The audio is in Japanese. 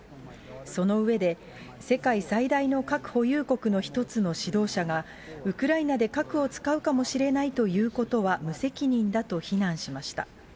その上で、世界最大の核保有国の一つの指導者が、ウクライナで核を使うかもしれないということは無責任だと非難しました。